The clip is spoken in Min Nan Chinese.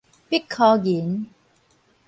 必箍銀